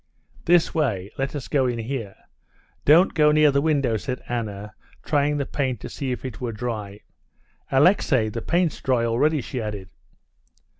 "This way; let us go in here. Don't go near the window," said Anna, trying the paint to see if it were dry. "Alexey, the paint's dry already," she added.